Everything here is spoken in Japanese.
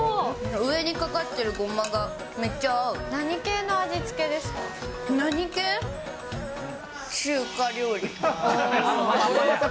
上にかかってるごまがめっち何系の味付けですか？